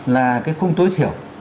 là cái khung tối thiểu